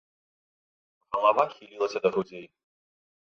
Галава хілілася да грудзей.